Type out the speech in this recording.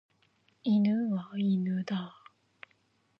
犬は犬だ。